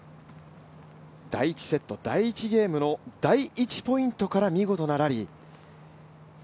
第１セット、第１ゲームの第１ポイントから見事なラリー。